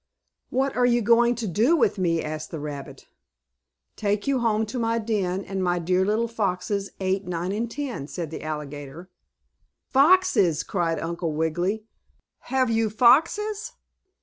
"What are you going to do with me?" asked the rabbit. "Take you home to my den, and my dear little foxes, Eight, Nine and Ten," said the alligator. "Foxes!" cried Uncle Wiggily. "Have you foxes?"